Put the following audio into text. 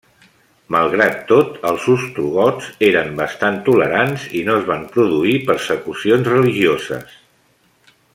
Malgrat tot, els ostrogots eren bastant tolerants i no es van produir persecucions religioses.